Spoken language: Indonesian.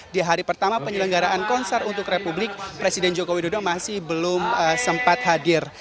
di hari pertama penyelenggaraan konser untuk republik presiden joko widodo masih belum sempat hadir